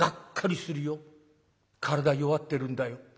体弱ってるんだよ。